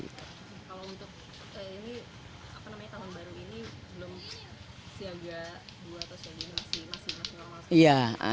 kalau untuk taman baru ini belum siaga dua atau masih